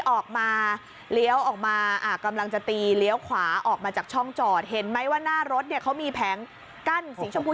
ออกมาจากช่องจอดเห็นไหมว่าหน้ารถเขามีแผงกั้นสีชมพู